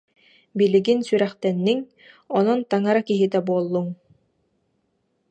«Билигин сүрэхтэнниҥ, онон таҥара киһитэ буоллуҥ»